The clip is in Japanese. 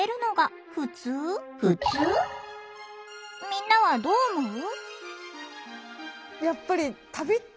みんなはどう思う？